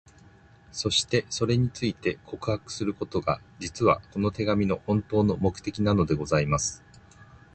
そして、それについて、告白することが、実は、この手紙の本当の目的なのでございます。